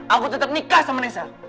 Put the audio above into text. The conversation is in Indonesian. aku tetep nikah sama nessa